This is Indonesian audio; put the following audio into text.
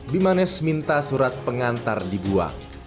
bimanes minta surat pengantar dibuang